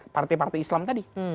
partai partai islam tadi